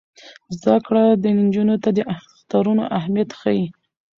زده کړه نجونو ته د اخترونو اهمیت ښيي.